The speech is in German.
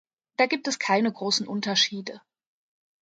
Da gibt es keine großen Unterschiede.